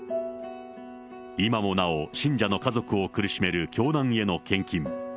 今もなお、信者の家族を苦しめる教団への献金。